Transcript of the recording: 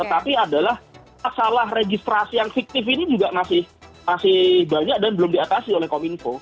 tetapi adalah masalah registrasi yang fiktif ini juga masih banyak dan belum diatasi oleh kominfo